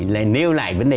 lại nêu lại vấn đề ấy